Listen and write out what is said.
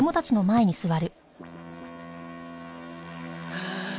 はあ。